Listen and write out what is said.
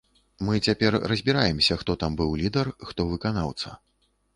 Мы цяпер разбіраемся, хто там быў лідар, хто выканаўца.